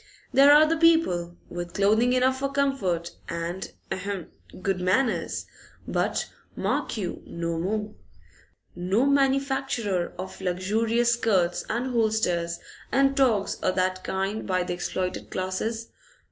There are the people, with clothing enough for comfort and ahem! good manners, but, mark you, no more. No manufacture of luxurious skirts and hulsters and togs o' that kind by the exploited classes.